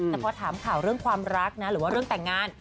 แต่พอถามข่าวเรื่องความรักนะหรือว่าเรื่องแต่งงาน